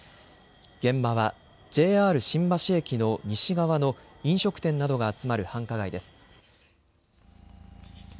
現場はＪＲ新橋駅の西側の飲食店などが集まる繁華街です。